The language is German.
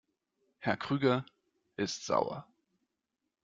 Herr Krüger ist sauer.